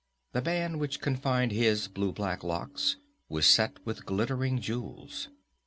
The band which confined his blue black locks was set with glittering jewels.